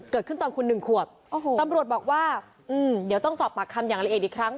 เกิดขึ้นตอนคุณหนึ่งขวบโอ้โหตำรวจบอกว่าเดี๋ยวต้องสอบปากคำอย่างละเอียดอีกครั้ง